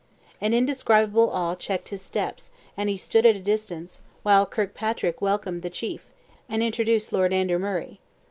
An indescribable awe checked his steps, and he stood at a distance, while Kirkpatrick welcomed the chief, and introduced Lord Andrew Murray.